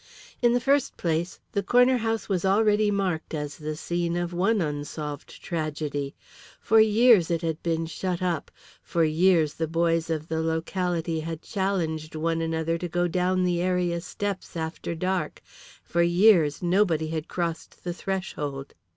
In the first place, the corner house was already marked as the scene of one unsolved tragedy. For years it had been shut up, for years the boys of the locality had challenged one another to go down the area steps after dark, for years nobody had crossed the threshold.